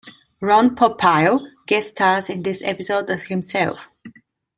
Ron Popeil guest stars in this episode as himself.